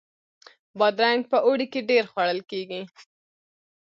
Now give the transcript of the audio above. بادرنګ په اوړي کې ډیر خوړل کیږي